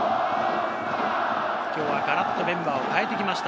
今日はガラっとメンバーを変えてきました